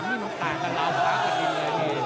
พร้อมเหมือนต่างกันแล้วลองค้าก่อนทีเลย